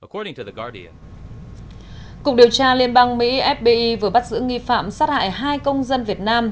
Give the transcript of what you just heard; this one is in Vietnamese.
cục điều tra liên bang mỹ fbi vừa bắt giữ nghi phạm sát hại hai công dân việt nam